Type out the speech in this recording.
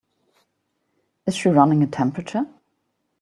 Is she running a temperature?